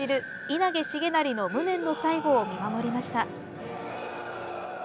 稲毛重成の無念の最期を見守りました。